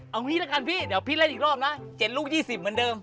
เอางี้ละกันพี่เดี๋ยวพี่เล่นอีกรอบนะ๗ลูก๒๐เหมือนเดิม